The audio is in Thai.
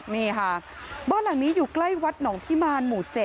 นี่ค่ะบ้านหลังนี้อยู่ใกล้วัดหนองพิมารหมู่๗